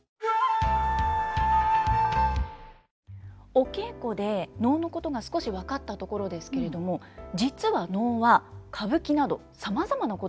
お稽古で能のことが少し分かったところですけれども実は能は歌舞伎などさまざまな古典芸能に取り入れられているんです。